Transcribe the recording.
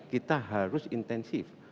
kita harus intensif